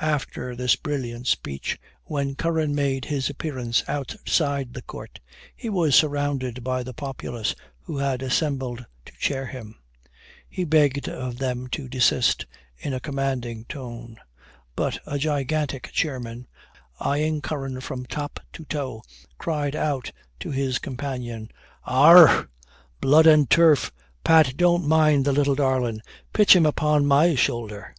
After this brilliant speech, when Curran made his appearance outside the court, he was surrounded by the populace, who had assembled to chair him. He begged of them to desist, in a commanding tone; but a gigantic chairman, eyeing Curran from top to toe, cried out to his companion "Arrah, blood and turf! Pat, don't mind the little darlin'; pitch him upon my shoulder."